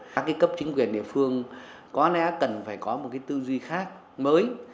các cấp chính quyền địa phương có lẽ cần phải có một cái tư duy khác mới